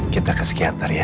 kita ke sekitar ya